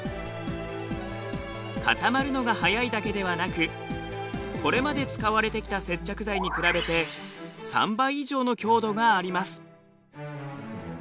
固まるのが速いだけではなくこれまで使われてきた接着剤に比べて３倍以上の強度があります。